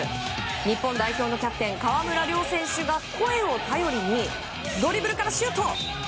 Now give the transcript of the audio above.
日本代表のキャプテン川村怜選手が声を頼りにドリブルからシュート！